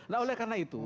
nah oleh karena itu